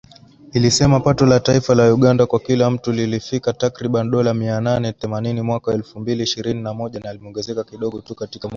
Ilisema pato la taifa la Uganda kwa kila mtu lilifikia takriban dola mia nane themanini mwaka wa elfu mbili ishirini na moja na limeongezeka kidogo tu katika mwaka huo